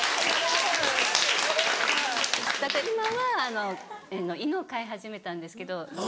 今は犬を飼い始めたんですけど。